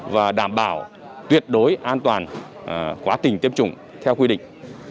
và đảm bảo tuyệt đối an toàn quá trình tiêm chủng theo quy định